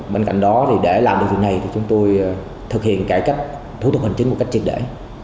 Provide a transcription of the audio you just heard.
bên cạnh đó để làm được việc này thì chúng tôi thực hiện cải cách thủ tục hành chính một cách triệt để